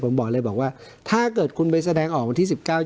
ผมบอกเลยบอกว่าถ้าเกิดคุณไปแสดงออกวันที่๑๙